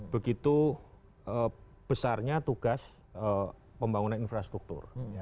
begitu besarnya tugas pembangunan infrastruktur